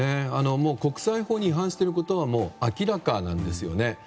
国際法に違反していることは明らかなんですよね。